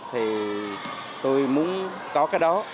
thì tôi muốn có cái đó